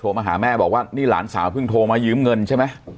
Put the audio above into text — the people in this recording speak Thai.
มาหาแม่บอกว่านี่หลานสาวเพิ่งโทรมายืมเงินใช่ไหม